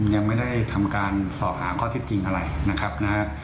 ยังไม่ได้ทำการสอบหาข้อเท็จจริงอะไรนะครับนะฮะ